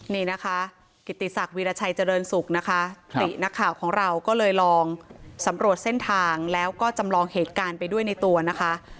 นี่นะคะกิติศักดิราชัยเจริญสุขนะคะตินักข่าวของเราก็เลยลองสำรวจเส้นทางแล้วก็จำลองเหตุการณ์ไปด้วยในตัวนะคะ